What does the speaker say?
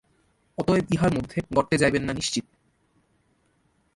অতএব ইহার মধ্যে গর্তে যাইবেন না নিশ্চিত।